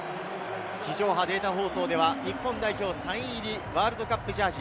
地上波データ放送では日本代表サイン入りワールドカップジャージ